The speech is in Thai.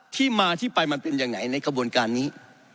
ที่มาที่ไปมันเป็นอย่างไหนในกระบวนการนี้